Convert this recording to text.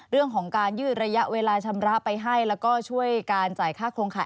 เรื่องของการยืดระยะเวลาชำระไปให้แล้วก็ช่วยการจ่ายค่าโครงข่าย